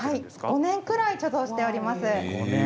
５年ぐらい貯蔵しております。